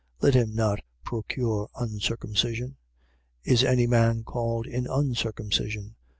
Let him not procure uncircumcision. Is any man called in uncircumcision?